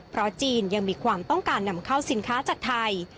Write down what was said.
เพราะจีนยังมีความต้องการนำเข้าสินค้าจากไทย